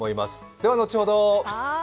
では後ほど。